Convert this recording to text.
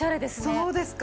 そうですか？